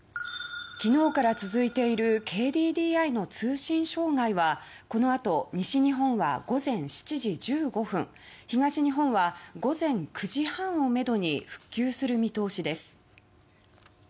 昨日から続いているＫＤＤＩの通信障害はこのあと、西日本は午前７時１５分東日本は午前９時半をめどに復旧する見通しです。